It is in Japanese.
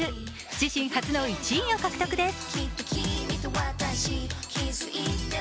自身初の１位を獲得です。